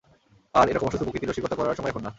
আর, এরকম অসুস্থ প্রকৃতির রসিকতা করার সময় এখন না!